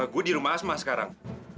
gue di rumah asma sekarang